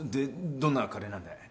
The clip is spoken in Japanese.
どんなカレエなんだい？